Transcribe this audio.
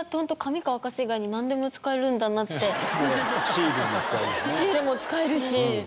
シールも使えるし。